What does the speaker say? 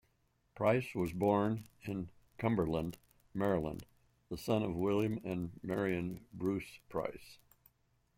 Price was born in Cumberland, Maryland, the son of William and Marian Bruce Price.